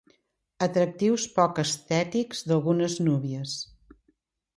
Atractius poc estètics d'algunes núvies.